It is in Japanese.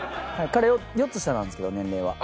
彼４つ下なんですけど年齢は。